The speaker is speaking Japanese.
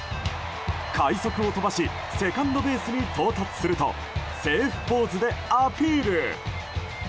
快足を飛ばしセカンドベースに到達するとセーフポーズでアピール。